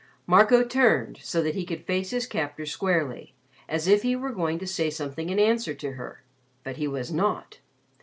Marco turned so that he could face his captor squarely as if he were going to say something in answer to her. But he was not.